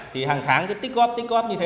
thì hàng tháng cứ tích góp tích góp như thế